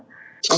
khi nào mẹ về